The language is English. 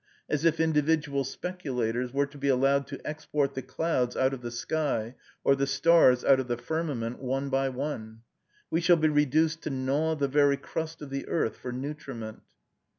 As if individual speculators were to be allowed to export the clouds out of the sky, or the stars out of the firmament, one by one. We shall be reduced to gnaw the very crust of the earth for nutriment.